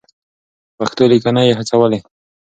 پښتو ليکنې يې هڅولې.